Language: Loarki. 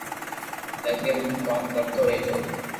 لگن مون ڪوم ڪرتو رھجو